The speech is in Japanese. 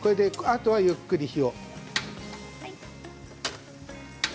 あとはゆっくり火を。